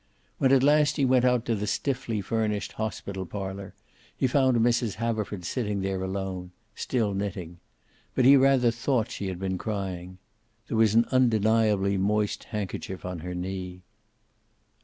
When at last he went out to the stiffly furnished hospital parlor, he found Mrs. Haverford sitting there alone, still knitting. But he rather thought she had been crying. There was an undeniably moist handkerchief on her knee.